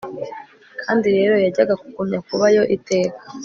kandi rero yajyaga kugumya kuba yo iteka